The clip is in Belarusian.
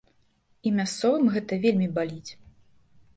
І мясцовым гэта вельмі баліць.